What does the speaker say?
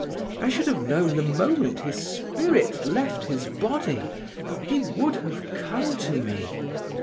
I should have known the moment his spirit left his body; he would have come to me.